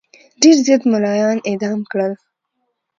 ډېر زیات مُلایان اعدام کړل.